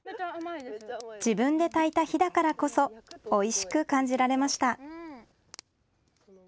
自分でたいた火だからこそおいしく感じられました。